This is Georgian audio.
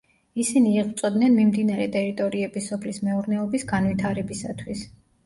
ისინი იღვწოდნენ მიმდებარე ტერიტორიების სოფლის მეურნეობის განვითარებისათვის.